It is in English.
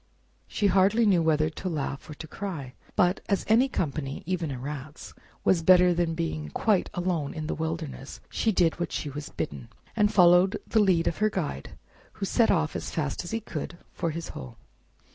She hardly knew whether to laugh or to cry, but as any company, even a Rat's, was better than being quite alone in the wilderness, she did what she was bidden, and followed the lead of her guide, who set off as fast as be could for his hole.